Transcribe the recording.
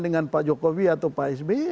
dengan pak jokowi atau pak sby